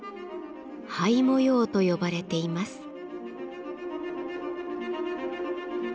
灰模様と呼ばれています。